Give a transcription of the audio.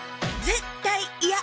絶対嫌！